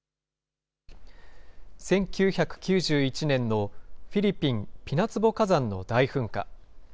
１９９１年のフィリピン・ピナツボ火山の大噴火。